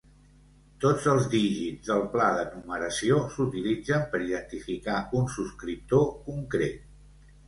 Tots els dígits del pla de numeració s'utilitzen per identificar un subscriptor concret.